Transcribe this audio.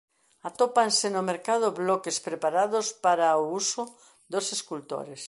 Atópanse no mercado bloques preparados para o uso dos escultores.